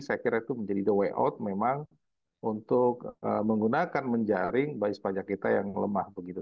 saya kira itu menjadi the way out memang untuk menggunakan menjaring basis pajak kita yang lemah begitu